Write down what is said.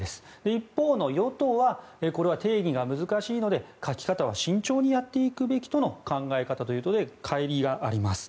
一方の与党はこれは定義が難しいので書き方は慎重にやっていくべきとの考え方ということで乖離があります。